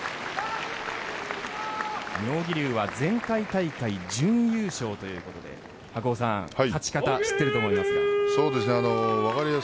妙義龍は前回大会、準優勝ということで白鵬さん勝ち方知ってると思います。